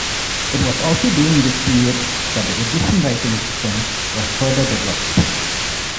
It was also during this period that the Egyptian writing system was further developed.